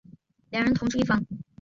两人同住一房。